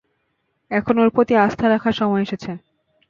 এখন ওর প্রতি আস্থা রাখার সময় এসেছে।